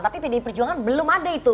tapi pdi perjuangan belum ada itu